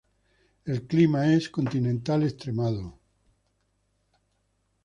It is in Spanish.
El clima es continental extremado.